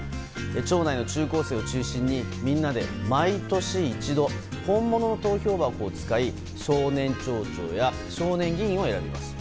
町内の中高生を中心にみんなで毎年一度本物の投票箱を使い、少年町長や少年議員を選びます。